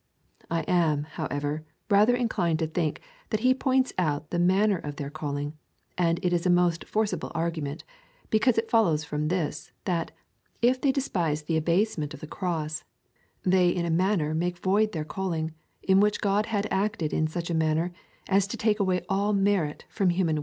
"' I am, however, rather inclined to think, that he points out the manner of their calling, and it is a most forcible argument, because it follows from this, that, if they despise the abasement of the cross, they in a manner make void their calling, in which God had acted in such a manner, as to take away all merit from human wis ^" Que vous n'estes point beaucoup ;"—" That you are not many."